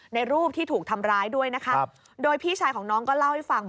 ในรูปที่ถูกทำร้ายด้วยนะคะโดยพี่ชายของน้องก็เล่าให้ฟัง